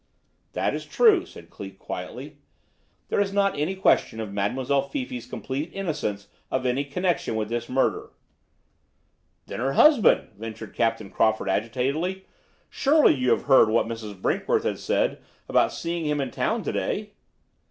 "That is true," said Cleek quietly. "There is not any question of Mademoiselle Fifi's complete innocence of any connection with this murder." "Then her husband?" ventured Captain Crawford agitatedly. "Surely you have heard what Mrs. Brinkworth has said about seeing him in town to day?"